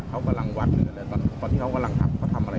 เขากำลังวัดเลยตอนที่เขากำลังทำอะไร